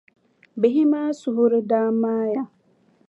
Bihi maa suhiri daa maaya.